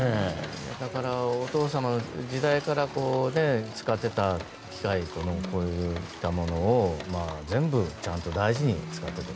だから、お父様の時代から使ってた機械とかこういったものを全部、ちゃんと大事に使ってと。